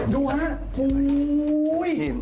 ดูนะ